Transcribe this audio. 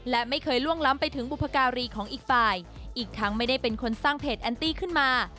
และไม่เคยล่วงล้ำไปถึงบุพการีของอีกฝ่ายอีกทั้งไม่ได้เป็นคนสร้างเพจแอนตี้ขึ้นมา